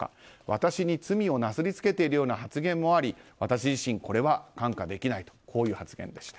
私に罪をなすりつけているような発言もあり私自身これは看過できないという発言でした。